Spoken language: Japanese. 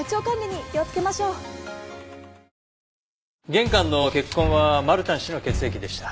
玄関の血痕はマルタン氏の血液でした。